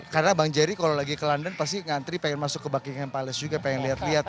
karena bang jerry kalau lagi ke london pasti ngantri pengen masuk ke buckingham palace juga pengen lihat lihat